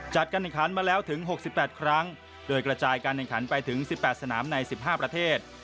จัดการอันการมาแล้วถึง๖๘ครั้งโดยกระจายการอันการไปถึง๑๘สนามใน๑๕ประเทศ